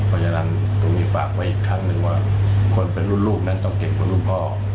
เพราะฉะนั้นก็มีฝากไว้อีกครั้งคนเป็นรุ่นลูกต้องเข็มกับรุ่นพ่อ